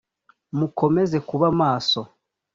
mukomeze kuba maso